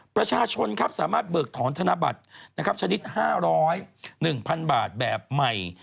ประชาชนครับสามารถเบิกถอนธนบัตรชนิด๕๐๑๐๐๐บาทแบบใหม่